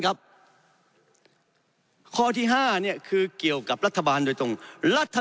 ครับข้อที่ห้าเนี่ยคือเกี่ยวกับรัฐบาลโดยตรงรัฐ